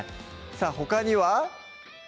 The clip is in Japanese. さぁほかには？